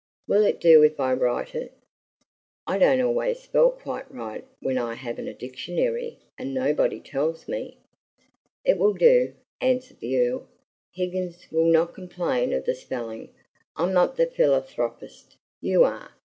"Will it do if I write it? I don't always spell quite right when I haven't a dictionary, and nobody tells me." "It will do," answered the Earl. "Higgins will not complain of the spelling. I'm not the philanthropist; you are.